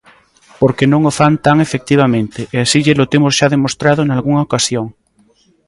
Porque non o fan tan efectivamente, e así llelo temos xa demostrado nalgunha ocasión.